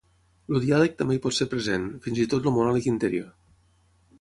El diàleg també hi pot ser present, fins i tot el monòleg interior.